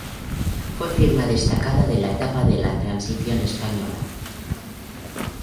Fue firma destacada de la etapa de la transición española.